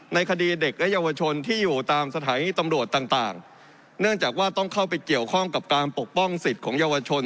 ในคดีเด็กและเยาวชนที่อยู่ตามสถานีตำรวจต่างต่างเนื่องจากว่าต้องเข้าไปเกี่ยวข้องกับการปกป้องสิทธิ์ของเยาวชน